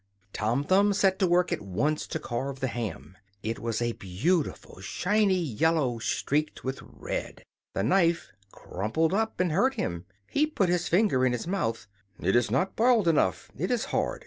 Tom Thumb set to work at once to carve the ham. It was a beautiful shiny yellow, streaked with red. The knife crumpled up and hurt him; he put his finger in his mouth. "It is not boiled enough; it is hard.